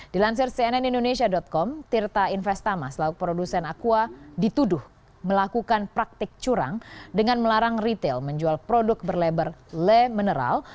dilansir cnn indonesia com tirta investama selaku produsen aqua dituduh melakukan praktik curang dengan melarang retail menjual produk berlebar le mineral